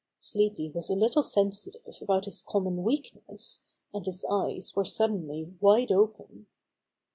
Sleepy was a little sensitive about his com mon weakness, and his eyes were suddenly wide open.